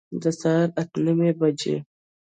د سهار اته نیمي بجي